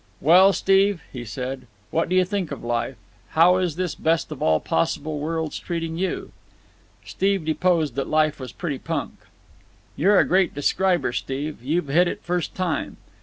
"Well, Steve," he said, "what do you think of life? How is this best of all possible worlds treating you?" Steve deposed that life was pretty punk. "You're a great describer, Steve. You've hit it first time.